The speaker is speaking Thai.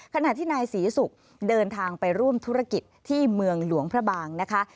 ขณะที่นายศรีศุกร์เดินทางไปร่วมธุรกิจที่เมืองหลวงพระบางนะคะ